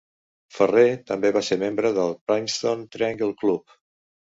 Ferrer també va ser membre del Princeton Triangle Club.